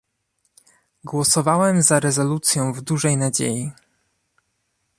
Głosowałem za rezolucją w dużej nadziei